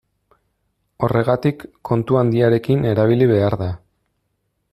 Horregatik kontu handiarekin erabili behar da.